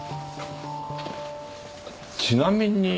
ちなみに。